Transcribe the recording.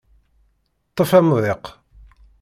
Ṭṭef amḍiq.